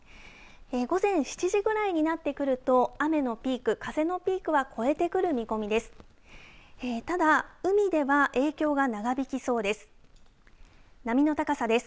午前７時ぐらいになってくると雨のピーク、風のピークは越えてくる見込みです。